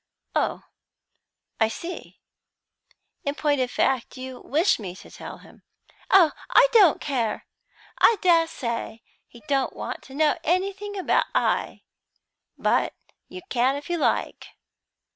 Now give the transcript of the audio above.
"Oh, I see. In point of fact, you wish me to tell him?" "Oh, I don't care. I dessay he don't want to know anything about I. But you can if you like."